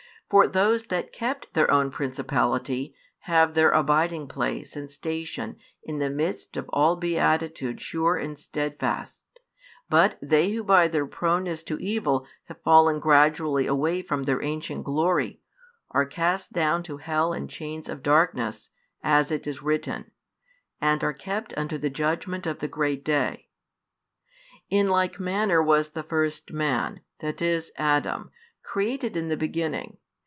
For those that kept their own principality have their abiding place and station in the midst of all beatitude sure and steadfast: but they who by their proneness to evil have fallen gradually away from their ancient glory, are cast down to hell in chains of darkness, as it is written, and are kept unto the judgment of the great day. In like manner was the first man, that is, Adam, created in the beginning.